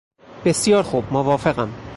بسیار خوب موافقم.